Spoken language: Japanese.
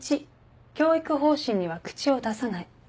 １教育方針には口を出さない。